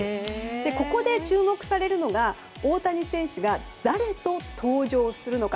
ここで注目されるのが大谷選手が誰と登場するのか。